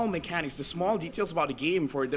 teknik kecil detil kecil tentang permainan